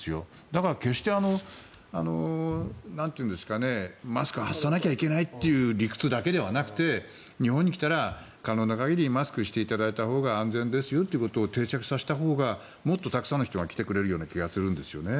だから決してマスクを外さなきゃいけないという理屈だけではなくて日本に来たら可能な限りマスクしていただいたほうが安全ですよということを定着させたほうがもっとたくさんの人が来てくれる気がするんですよね。